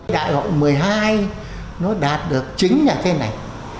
đại hội một mươi hai nó đạt được chính là thế này